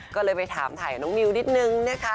ก็เลยไปถ้าคุณมิวนิดนึงนะคะ